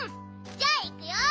じゃあいくよ。